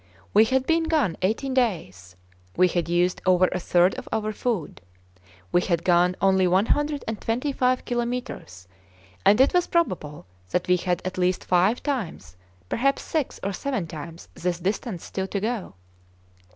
We had been gone eighteen days. We had used over a third of our food. We had gone only 125 kilometres, and it was probable that we had at least five times, perhaps six or seven times, this distance still to go.